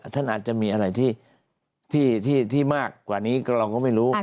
ท่านอาจจะมีอะไรที่ที่ที่ที่มากกว่านี้ก็เราก็ไม่รู้อ่า